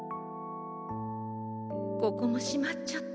ここもしまっちゃった。